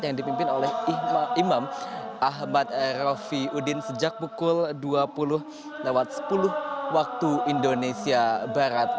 yang dipimpin oleh imam ahmad rofi udin sejak pukul dua puluh sepuluh waktu indonesia barat